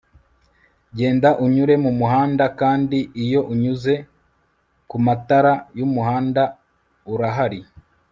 genda unyure mumuhanda, kandi iyo unyuze kumatara yumuhanda urahari